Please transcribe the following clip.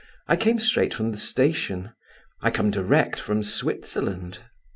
I came straight from the station. I am come direct from Switzerland."